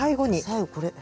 最後これ。